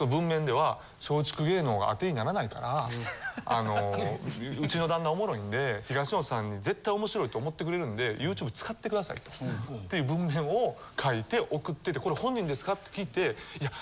あのうちの旦那おもろいんで東野さんに絶対面白いと思ってくれるんでＹｏｕＴｕｂｅ使ってくださいとっていう文面を書いて送ってて「これ本人ですか？」ってきていや